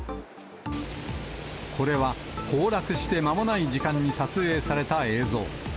これは、崩落して間もない時間に撮影された映像。